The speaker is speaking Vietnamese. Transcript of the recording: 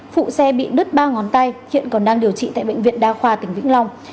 phụ xe bị đứt ba ngón tay hiện còn đang điều trị tại bệnh viện đa khoa tỉnh vĩnh long